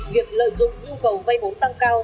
việc lợi dụng nhu cầu vay bốn tăng cao